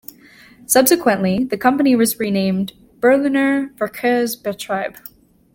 Subsequently, the company was renamed "Berliner Verkehrs-Betriebe".